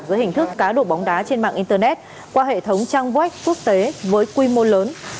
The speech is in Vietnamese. giữa hình thức cáo đụng bóng đá trên mạng internet qua hệ thống trang web quốc tế với quy mô lớn